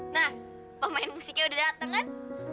nah pemain musiknya udah dateng kan